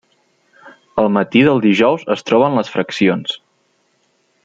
El matí del dijous es troben les fraccions.